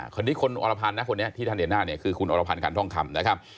คนนี้คนอรพันธ์นะคนนี้ที่ท่านเห็นหน้าเนี่ยคือคุณอรพันธ์ขันทองคำนะครับ